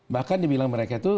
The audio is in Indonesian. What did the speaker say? bahkan dia bilang mereka itu